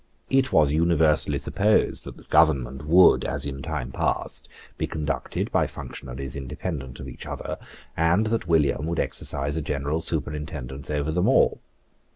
It was universally supposed that the government would, as in time past, be conducted by functionaries independent of each other, and that William would exercise a general superintendence over them all.